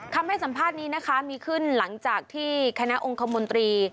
คำให้สัมภาษณ์นี้นะคะมีขึ้นหลังจากที่คณะองคมนตรี